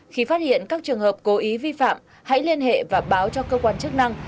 khi phát hiện các trường hợp cố ý vi phạm hãy liên hệ và báo cho cơ quan chức năng